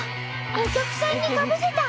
お客さんにかぶせた。